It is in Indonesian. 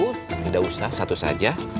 tidak usah satu saja